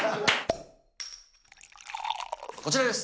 こちらです。